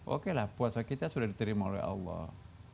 oke lah puasa kita sudah diterima oleh allah